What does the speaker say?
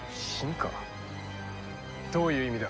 どういう意味だ？